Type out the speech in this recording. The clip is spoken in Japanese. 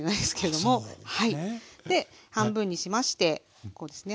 で半分にしましてこうですね